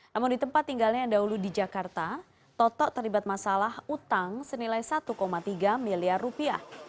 namun di tempat tinggalnya yang dahulu di jakarta toto terlibat masalah utang senilai satu tiga miliar rupiah